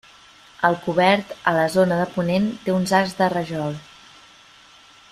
El cobert, a la zona de ponent, té uns arcs de rajol.